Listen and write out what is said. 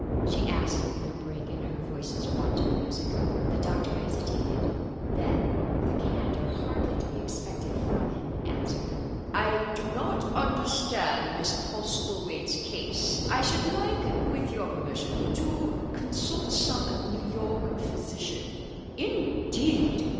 she asked, with no break in her voice's wonted music. The doctor hesitated, then with a candour hardly to be expected from him, answered: "I do not understand Miss Postlethwaite's case. I should like, with your permission, to consult some New York physician." "Indeed!"